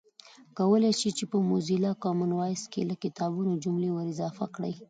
کولای شئ چې په موزیلا کامن وایس کې له کتابونو جملې ور اضافه کړئ